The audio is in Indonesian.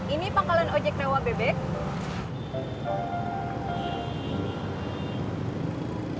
ini pangkalan ojek mewah bebek